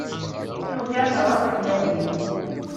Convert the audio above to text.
Tuga d raṣ-lmal-is.